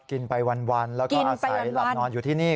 กินไปวันแล้วก็อาศัยหลับนอนอยู่ที่นี่